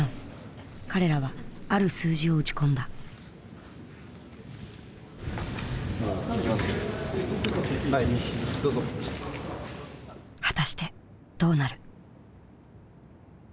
彼らはある数字を打ち込んだ果たしてどうなる？